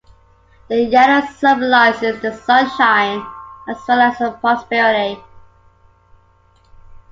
The yellow symbolises the sunshine, as well as prosperity.